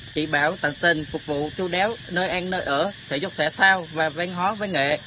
chỉ bảo tận tình phục vụ chú đáo nơi ăn nơi ở thể dục thể thao và văn hóa với nghệ